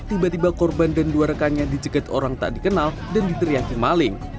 tiba tiba korban dan dua rekannya dicegat orang tak dikenal dan diteriaki maling